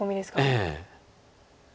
ええ。